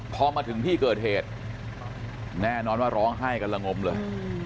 พอมาถึงที่เกิดเหตุแน่นอนว่าร้องไห้กันละงมเลย